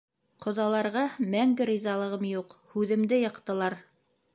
Ҡоҙаларға мәңге ризалығым юҡ, һүҙемде йыҡтылар.